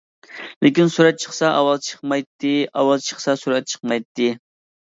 لېكىن سۈرەت چىقسا ئاۋازى چىقمايتتى، ئاۋازى چىقسا سۈرەت چىقمايتتى.